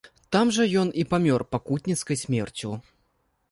Там жа ён і памёр пакутніцкай смерцю.